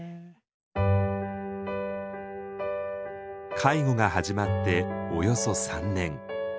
介護が始まっておよそ３年。